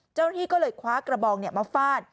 เจ้าหน้าที่ก็เลยคว้ากระบองมาฟาด